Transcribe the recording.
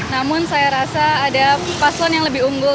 namun saya rasa ada paslon yang lebih unggul